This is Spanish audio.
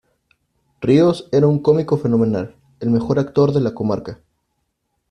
Ríos era un cómico fenomenal, ¡el mejor actor de la comarca!